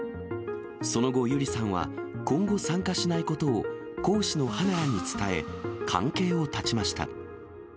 その後、ユリさんは今後参加しないことを講師の花へ伝え、関係を断ちました。